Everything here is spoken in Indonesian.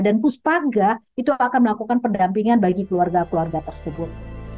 dan puspaga itu akan melakukan pendampingan bagi keluarga keluarga tersebut